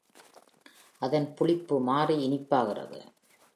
அதன் புளிப்பு மாறி இனிப்பாகிறது.